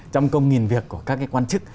trăm công nghìn việc của các quan chức